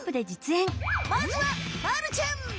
まずはまるちゃん！